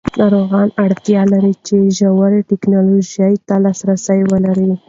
ناروغان اړتیا لري چې ژر ټېکنالوژۍ ته لاسرسی ولري.